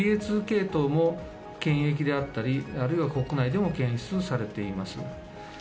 ＢＡ．２系統も、検疫であったり、あるいは国内でも検出されています。